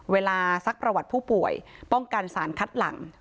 ซักประวัติผู้ป่วยป้องกันสารคัดหลัง